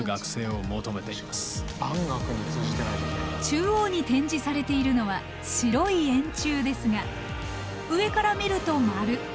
中央に展示されているのは白い円柱ですが上から見ると丸。